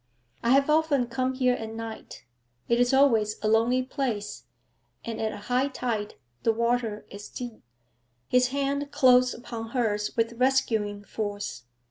I have often come here at night. It is always a lonely place, and at high tide the water is deep.' His hand closed upon hers with rescuing force.